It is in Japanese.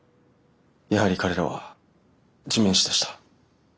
やはり彼らは地面師でした。